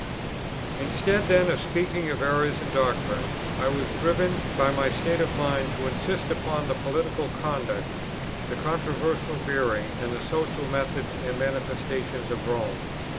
Instead then of speaking of errors in doctrine, I was driven, by my state of mind, to insist upon the political conduct, the controversial bearing, and the social methods and manifestations of Rome.